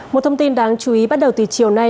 một thông tin đáng chú ý bắt đầu từ chiều nay